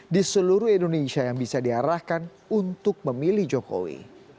di seluruh indonesia yang bisa diarahkan untuk memilih jokowi